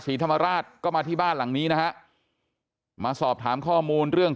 ศรีธรรมราชก็มาที่บ้านหลังนี้นะฮะมาสอบถามข้อมูลเรื่อง